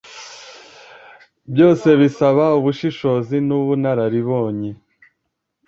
byose bisaba ubushishozi nubunararibonye.